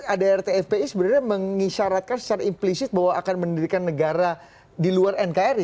adart fpi sebenarnya mengisyaratkan secara implisit bahwa akan mendirikan negara di luar nkri